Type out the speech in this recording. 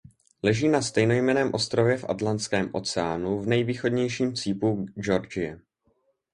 Leží na stejnojmenném ostrově v Atlantském oceánu v nejvýchodnějším cípu Georgie.